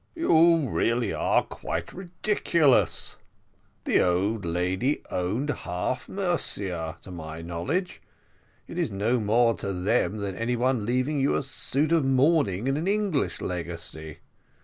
"You really are quite ridiculous; the old lady owned half Murcia, to my knowledge. It is no more to them than any one leaving you a suit of mourning in an English legacy.